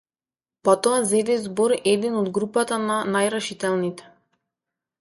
Потоа зеде збор еден од групата на најрешителните.